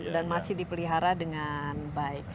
dan masih dipelihara dengan baik